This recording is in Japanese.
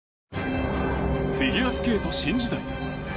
フィギュアスケート新時代。